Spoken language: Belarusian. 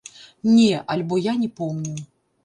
Не, альбо я не помню.